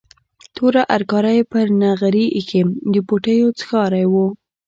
توره هرکاره یې پر نغري ایښې، د پوټیو څښاری و.